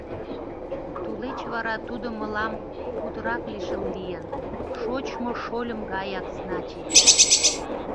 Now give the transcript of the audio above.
Тулеч вара тудо мылам путырак лишыл лийын... шочмо шольым гаяк, значит.